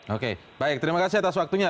oke baik terima kasih atas waktunya